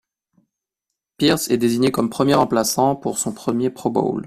Pierce est désigné comme premier remplaçant pour son premier Pro Bowl.